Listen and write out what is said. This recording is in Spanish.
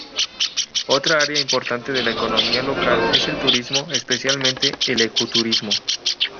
Otra área importante de la economía local es el turismo, especialmente el eco-turismo.